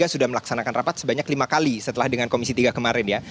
sudah melaksanakan rapat sebanyak lima kali setelah dengan komisi tiga kemarin ya